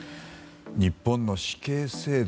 日本の死刑制度